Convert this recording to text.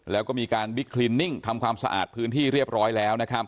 แล้วก็มีการบิ๊กคลินนิ่งทำความสะอาดพื้นที่เรียบร้อยแล้วนะครับ